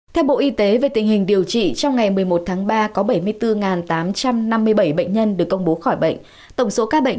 theo bộ y tế về tình hình điều trị trong ngày một mươi một tháng ba có bảy mươi bốn tám trăm năm mươi bảy bệnh nhân được công bố khỏi bệnh